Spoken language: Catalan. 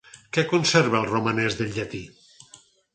Què conserva el romanès del llatí?